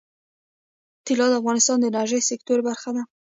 طلا د افغانستان د انرژۍ سکتور برخه ده.